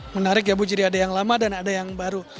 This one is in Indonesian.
menarik ya bu jadi ada yang lama dan ada yang baru